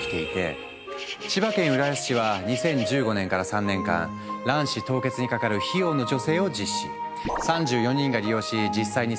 千葉県浦安市は２０１５年から３年間卵子凍結にかかる費用の助成を実施。